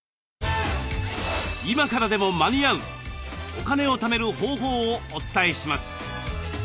お金をためる方法をお伝えします。